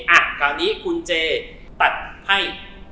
อ่ะคราวนี้คุณเจตัดให้